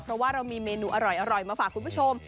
เพราะว่าเรามีเมนูอร่อยมาฝากคุณผู้ชม